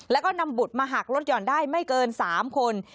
แล้วก็นำบุตรมาหักลดห่อนได้ไม่เกิน๓คน